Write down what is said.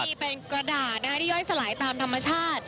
นี่เป็นกระดาษที่ย่อยสลายตามธรรมชาติ